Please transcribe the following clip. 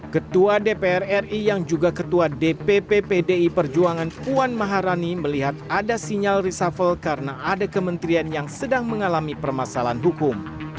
ketua dpr ri yang juga ketua dpp pdi perjuangan puan maharani melihat ada sinyal reshuffle karena ada kementerian yang sedang mengalami permasalahan hukum